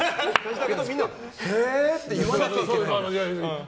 だけど、みんなへえって言わなきゃいけない。